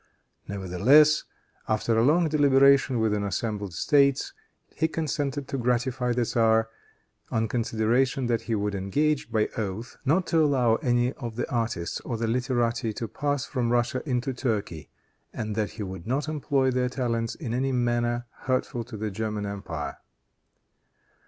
Nevertheless, after a long deliberation with the assembled States, he consented to gratify the tzar, on consideration that he would engage, by oath, not to allow any of the artists or the literati to pass from Russia into Turkey, and that he would not employ their talents in any manner hurtful to the German empire.